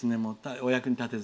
お役に立てず。